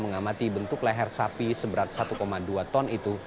mengamati bentuk leher sapi seberat satu dua ton itu